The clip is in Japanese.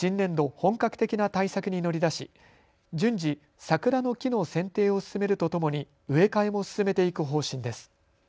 本格的な対策に乗り出し順次、桜の木のせんていを進めるとともに植え替えも進めていく方針です。